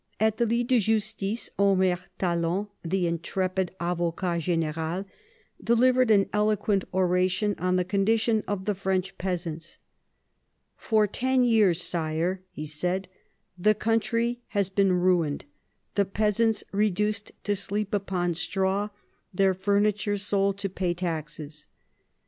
At the lit de justice, Omer Talon, the intrepid avocat gSn^al, delivered an eloquent oration on the condition of the French peasants. " For ten years. Sire," he said, "the country has been ruined, the peasants reduced to sleep upon straw, their furniture sold to pay taxes.